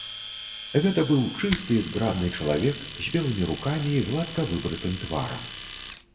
Гэта быў чысты і зграбны чалавек, з белымі рукамі і гладка выбрытым тварам.